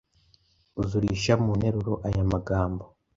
Uzurisha mu nteruro aya magambo: